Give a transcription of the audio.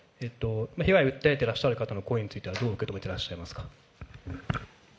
被害を訴えていらっしゃる方の声については、どう受け止めてらっしゃいますか。